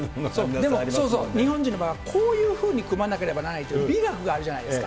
でもそうそう、日本人の場合は、こういうふうに組まなければならないっていう美学があるじゃないですか。